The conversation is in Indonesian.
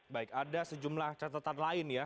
baik ada sejumlah catatan lain ya